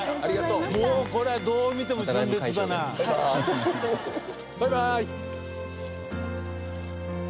もうこれはどう見ても「純烈」だなバイバイ！